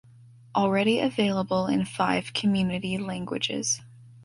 Already available in five community languages.